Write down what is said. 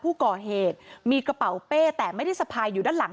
ผู้ก่อเหตุมีกระเป๋าเป้แต่ไม่ได้สะพายอยู่ด้านหลัง